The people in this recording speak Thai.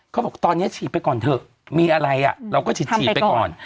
เขาบอกตอนนี้ฉีดไปก่อนเถอะมีอะไรเราก็ฉีดไปก่อน